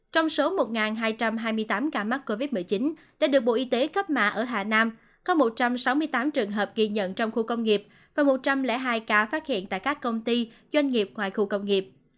trong số một hai trăm hai mươi tám ca mắc covid một mươi chín đã được bộ y tế cấp mã ở hà nam có một trăm sáu mươi tám trường hợp ghi nhận trong khu công nghiệp và một trăm linh hai ca phát hiện tại các công ty doanh nghiệp ngoài khu công nghiệp